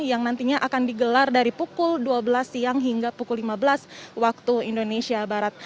yang nantinya akan digelar dari pukul dua belas siang hingga pukul lima belas waktu indonesia barat